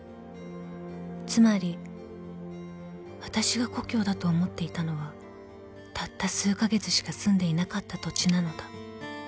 ［つまりわたしが故郷だと思っていたのはたった数か月しか住んでいなかった土地なのだ］